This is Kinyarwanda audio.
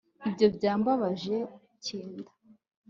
ibyo byambabaje kinda